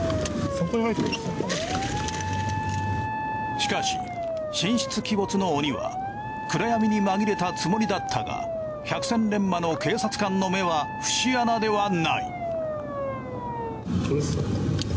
しかし神出鬼没の鬼は暗闇に紛れたつもりだったが百戦錬磨の警察官の目は節穴ではない。